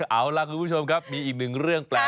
เอาล่ะคุณผู้ชมครับมีอีกหนึ่งเรื่องแปลก